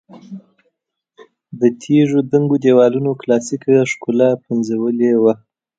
د تیږو دنګو دېوالونو کلاسیکه ښکلا پنځولې وه.